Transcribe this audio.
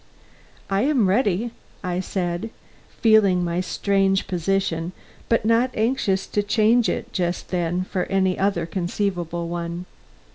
"I am ready," I said, feeling my strange position, but not anxious to change it just then for any other conceivable one.